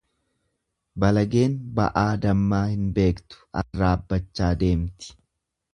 Balageen ba'aa dammaa hin beektu arraabbachaa deemti.